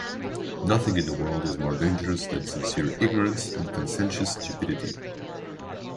Nothing in the world is more dangerous than sincere ignorance and conscientious stupidity.